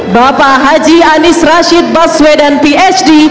bapak haji anies rashid baswedan phd